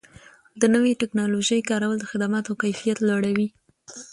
د نوې ټکنالوژۍ کارول د خدماتو کیفیت لوړوي.